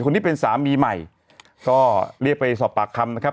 คนนี้เป็นสามีใหม่ก็เรียกไปสอบปากคำนะครับ